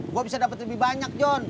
gue bisa dapat lebih banyak john